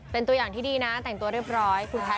เป็นตัวอย่างที่ดีนะแต่งตัวเรียบร้อยคุณแพท